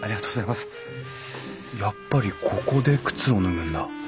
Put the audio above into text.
やっぱりここで靴を脱ぐんだ。